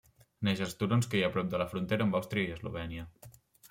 Neix als turons que hi ha prop de la frontera amb Àustria i Eslovènia.